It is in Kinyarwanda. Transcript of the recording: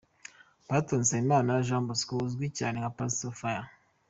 Pastor Nsabimana Jean Bosco uzwi cyane nka Pastor Fire.